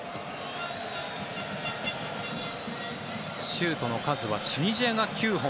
シュートの数はチュニジアが９本。